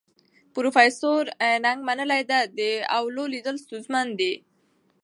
پروفیسور نګ منلې ده، د اولو لیدل ستونزمن دي.